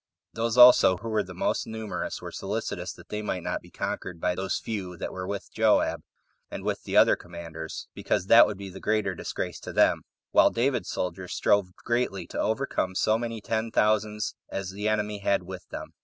Those also that were the most numerous were solicitous that they might not be conquered by those few that were with Joab, and with the other commanders, because that would be the greater disgrace to them; while David's soldiers strove greatly to overcome so many ten thousands as the enemy had with them.